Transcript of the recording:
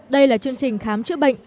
đây là chương trình khám chữa bệnh